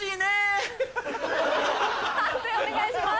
判定お願いします。